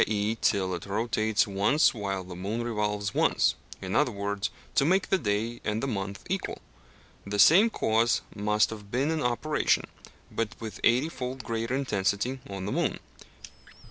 e._ till it rotates once while the moon revolves once; in other words, to make the day and the month equal. The same cause must have been in operation, but with eighty fold greater intensity, on the moon.